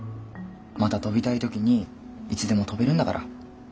また飛びたい時にいつでも飛べるんだから。